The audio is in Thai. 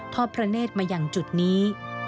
อดพระเนธมาอย่างจุดนี้